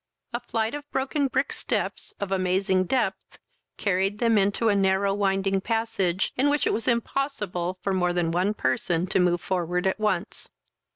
A flight of broken brick steps, of amazing depth, carried them into a narrow winding passage, in which it was impossible for more than one person to move forward at once.